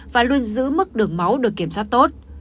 và luôn giữ mức đường máu được kiểm soát tốt